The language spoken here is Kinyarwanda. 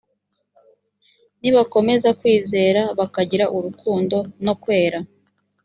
nibakomeza kwizera bakagira urukundo no kwera